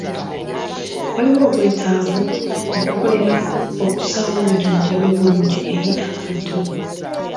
Waliwo obwetaavu okukolera awamu okussaawo obujjanjabi obulungi eri abantu.